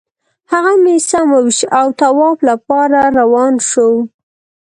هغه مې سم وویشت او طواف لپاره روان شوو.